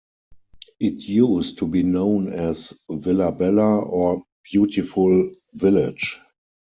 It used to be known as "Villa Bella" or "Beautiful Village".